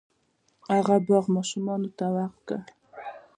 هغه باغ ماشومانو ته وقف کړ.